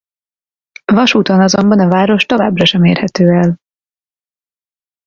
Vasúton azonban a város továbbra sem érhető el.